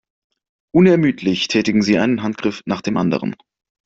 Unermüdlich tätigen sie einen Handgriff nach dem anderen.